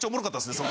そこ。